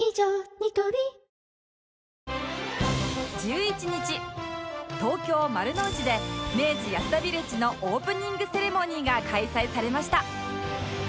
ニトリ１１日東京・丸の内で明治安田ヴィレッジのオープニングセレモニーが開催されました